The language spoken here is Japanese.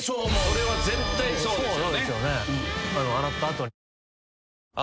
それは絶対そうですよね。